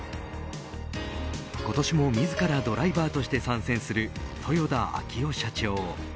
今年も自らドライバーとして参戦する豊田章男社長。